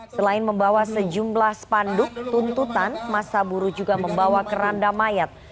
selain membawa sejumlah spanduk tuntutan masa buruh juga membawa keranda mayat